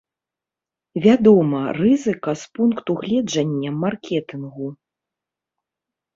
Вядома, рызыка з пункту гледжання маркетынгу.